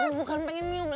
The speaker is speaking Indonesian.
gue bukan pengen nyum